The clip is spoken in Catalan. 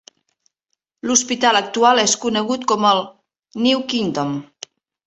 L'hospital actual és conegut com el "New Kingdom".